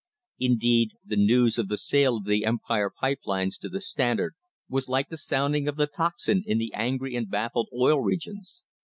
Indeed, the news of the sale of the Empire pipe lines to the Standard was like the sounding of the tocsin in the angry and baffled Oil Regions.